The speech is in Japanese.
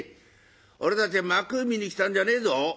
俺たちは幕見に来たんじゃねえぞ。